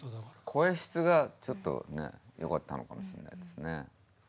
声質がちょっとねよかったのかもしれないですね。